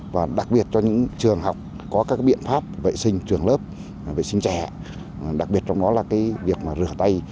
và đặc biệt cho những trường học có các biện pháp vệ sinh trường lớp vệ sinh trẻ đặc biệt trong đó là cái việc mà rửa tay